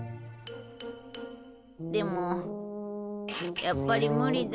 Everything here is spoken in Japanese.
でもやっぱり無理だ。